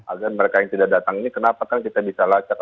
agar mereka yang tidak datang ini kenapa kan kita bisa lacak